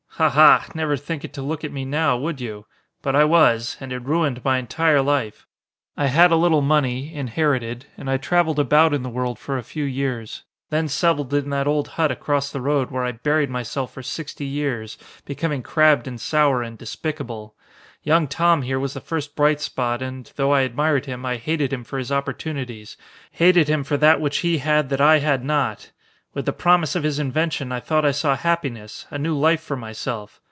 Ha! ha! Never think it to look at me now, would you? But I was, and it ruined my entire life. I had a little money inherited and I traveled about in the world for a few years, then settled in that old hut across the road where I buried myself for sixty years, becoming crabbed and sour and despicable. Young Tom here was the first bright spot and, though I admired him, I hated him for his opportunities, hated him for that which he had that I had not. With the promise of his invention I thought I saw happiness, a new life for myself.